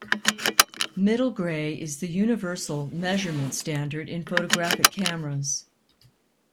Middle gray is the universal measurement standard in photographic cameras.